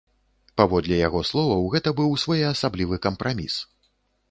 Паводле яго словаў, гэта быў своеасаблівы кампраміс.